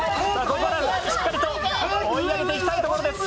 ここでしっかりと追い上げていきたいところです。